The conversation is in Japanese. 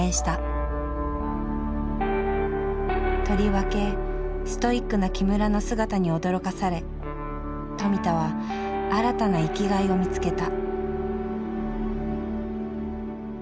とりわけストイックな木村の姿に驚かされ富田は新たな生きがいを見つけた。